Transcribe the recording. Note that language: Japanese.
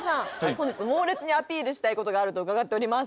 本日猛烈にアピールしたいことがあると伺っております